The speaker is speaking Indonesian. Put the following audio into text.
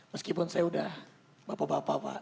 meskipun saya udah bapak bapak pak